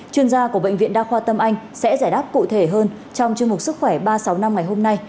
chuyên gia của bệnh viện đa khoa tâm anh sẽ giải đáp cụ thể hơn trong chương mục sức khỏe ba trăm sáu mươi năm ngày hôm nay